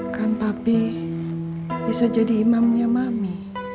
kan papi bisa jadi imamnya mami